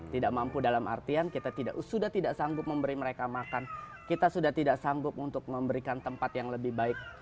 tidak mampu dalam artian kita sudah tidak sanggup memberi mereka makan kita sudah tidak sanggup untuk memberikan tempat yang lebih baik